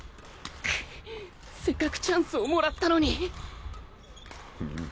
くっせっかくチャンスをもらったのに